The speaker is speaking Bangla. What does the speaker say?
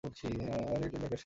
আর এই ট্যাঙ্কারকে সরাও।